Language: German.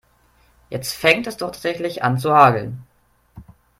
Jetzt fängt es doch tatsächlich an zu hageln.